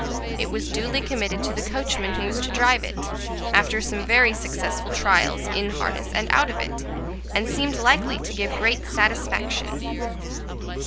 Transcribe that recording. It was duly committed to the coachman who was to drive it, after some very successful trials in harness and out of it, and seemed likely to give great satisfaction.